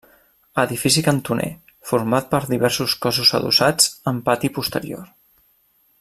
Edifici cantoner format per diversos cossos adossats, amb pati posterior.